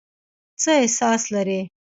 څه احساس لرئ ؟